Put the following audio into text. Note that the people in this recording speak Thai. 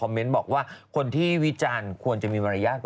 โอลี่คัมรี่ยากที่ใครจะตามทันโอลี่คัมรี่ยากที่ใครจะตามทัน